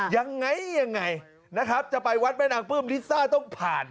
ยังไงจะไปวัดแม่นางปื้มลิซ่าต้องผ่าน